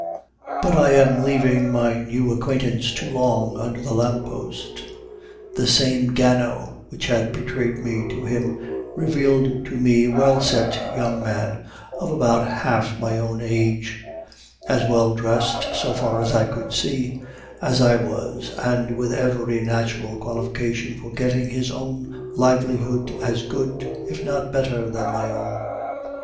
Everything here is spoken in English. But I am leaving my new acquaintance too long under the lamp post. The same Gano which had betrayed me to him revealed to me a well set young man of about half my own age, as well dressed, so far as I could see, as I was, and with every natural qualification for getting his own livelihood as good, if not better, than my own.